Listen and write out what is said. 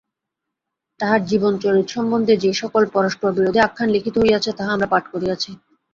তাঁহার জীবনচরিত সম্বন্ধে যে-সকল পরস্পরবিরোধী আখ্যান লিখিত হইয়াছে, তাহা আমরা পাঠ করিয়াছি।